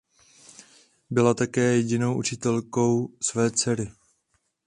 Byla také jedinou učitelkou své dcery.